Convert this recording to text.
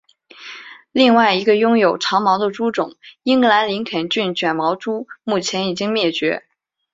另外一个拥有长毛的猪种英格兰林肯郡卷毛猪目前已经灭绝。